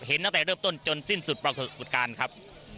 เห็นต่างแต่เริ่มต้นจนสิ้นสุดปรณ์บุฒนการณ์นะครับ